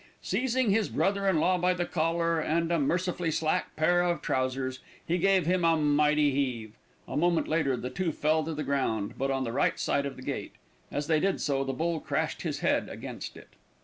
Seizing his brother in law by the collar and a mercifully slack pair of trousers, he gave him a mighty heave. A moment later, the two fell to the ground; but on the right side of the gate. As they did so, the bull crashed his head against it.